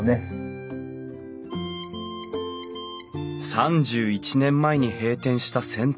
３１年前に閉店した銭湯。